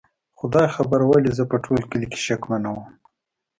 خدای خبر ولې زه په ټول کلي شکمنه ومه؟